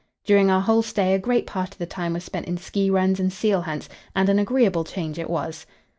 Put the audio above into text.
During our whole stay a great part of the time was spent in ski runs and seal hunts, and an agreeable change it was.